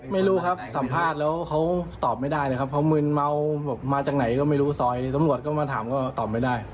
ไม่รู้ครับสัมภาษณ์แล้วเขาตอบไม่ได้เลยครับเพราะมืนเมามาจากไหนก็ไม่รู้ซอยตำรวจก็มาถามก็ตอบไม่ได้